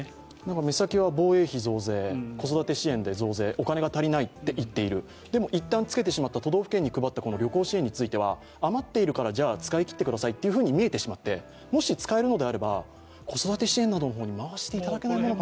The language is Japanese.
目先は防衛費増税、子育て支援で増税、お金は足りないと言っているいったんつけてしまった都道府県に配った旅行支援については余っているのなら、じゃあ使い切ってくださいって見えてしまってもし使えるのであれば、子育て支援の方に回してもらえないものかと。